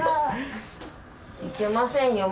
いけませんよ。